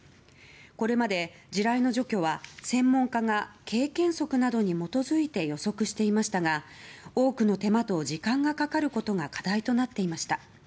これまで地雷の除去は専門家が経験則などに基づいて予測していましたが多くの手間と時間がかかることが課題となっていました。